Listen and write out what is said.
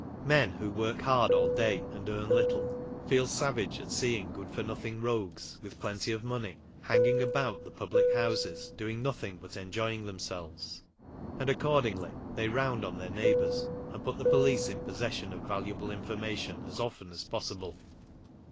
Men, who work hard all day and earn little, feel savage at seeing good for nothing rogues, with plenty of money, hanging about the public houses doing nothing but enjoying themselves, and accordingly they " round" on their neighbours, and put the police in possession of valuable information as often as possible.